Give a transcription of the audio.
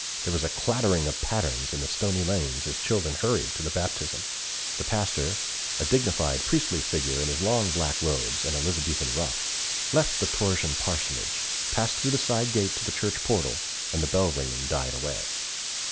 There was a clattering of pattens in the stony lanes as children hurried to the Baptism. The Pastor, a dignified priestly figure in his long black robes and Elizabethan ruff, left the Thorshavn parsonage, passed through the side gate to the church portal, and the bell ringing died away.